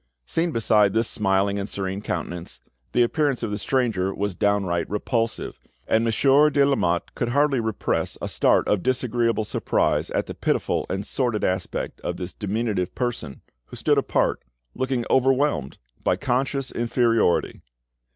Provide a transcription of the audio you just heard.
Seen beside this smiling and serene countenance, the appearance of the stranger was downright repulsive, and Monsieur de Lamotte could hardly repress a start of disagreeable surprise at the pitiful and sordid aspect of this diminutive person, who stood apart, looking overwhelmed by conscious inferiority.